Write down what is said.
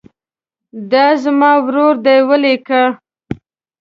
دا زما ورور دی ولیکئ.